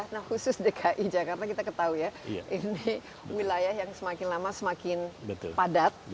nah khusus dki jakarta kita ketahui ya ini wilayah yang semakin lama semakin padat